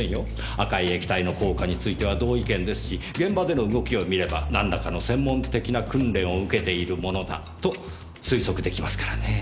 赤い液体の効果については同意見ですし現場での動きを見ればなんらかの専門的な訓練を受けている者だと推測できますからねぇ。